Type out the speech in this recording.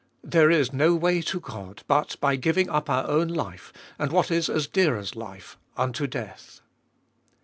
There is no way to God but by giving up our own life, and what is as dear as life, unto death.